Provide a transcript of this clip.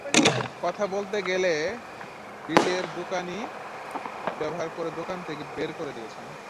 কথা বলতে গেলে বীজের দোকানি দুর্ব্যবহার করে দোকান থেকে বের করে দিয়েছেন।